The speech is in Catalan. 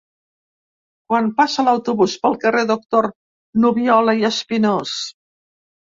Quan passa l'autobús pel carrer Doctor Nubiola i Espinós?